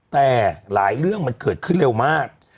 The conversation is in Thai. แต่หลายเรื่องมันเกิดขึ้นเร็วมาก